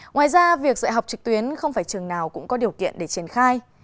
ngoài ra việc dạy học trực tuyến không phải trường nào cũng có điều kiện để triển khai